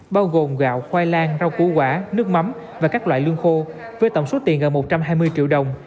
bao gồm gạo khoai lang rau củ quả nước mắm và các loại lương khô với tổng số tiền gần một trăm hai mươi triệu đồng